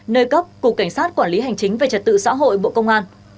nơi cấp cục cảnh sát quản lý hành chính về trật tự xã hội bộ công an